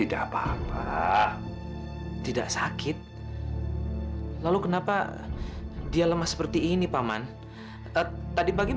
dia sudah berbadan buah